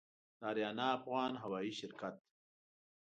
د آریانا افغان هوايي شرکت